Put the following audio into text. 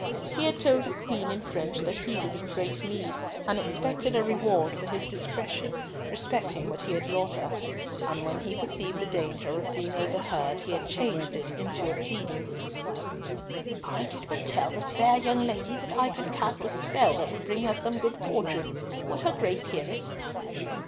He had told the Queen in French that he was in great need, and expected a reward for his discretion respecting what he had brought her. And when he perceived the danger of being overheard, he had changed it into a pleading, "I did but tell the fair young lady that I could cast a spell that would bring her some good fortune. Would her Grace hear it?"